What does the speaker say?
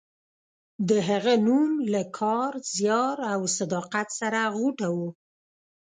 د هغه نوم له کار، زیار او صداقت سره غوټه و.